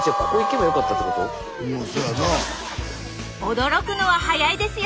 驚くのは早いですよ！